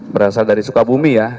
berasal dari sukabumi ya